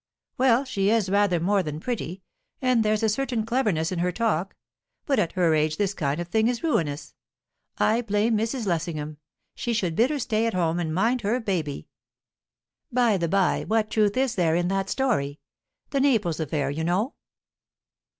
"Well, she is rather more than pretty; and there's a certain cleverness in her talk. But at her age this kind of thing is ruinous. I blame Mrs. Lessingham. She should bid her stay at home and mind her baby." "By the bye, what truth is there in that story? The Naples affair, you know?"